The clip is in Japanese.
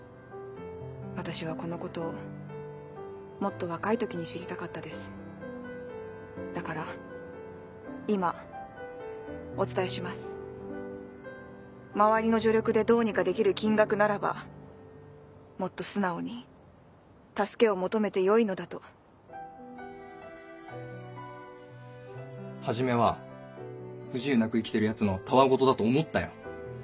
私はこのことをもっと若い時に知りただから今お伝えします周りの助力でどうにかできる金額ならばもっと素直に助けを求めてよいのだと初めは不自由なく生きてるヤツのたわ言だと思ったよ。